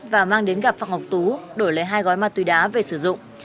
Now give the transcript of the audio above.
và mang đến gặp phạm ngọc tú đổi lấy hai gói ma túy đá về sử dụng